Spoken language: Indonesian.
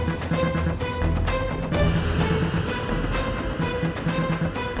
terima kasih bu